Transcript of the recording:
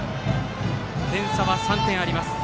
点差は３点あります。